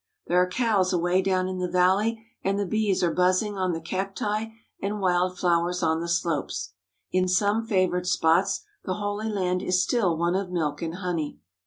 There are cows away down in the valley and the bees are buzzing on the cacti and wild flowers on the slopes. In some favoured spots the Holy Land is still one of milk and honey.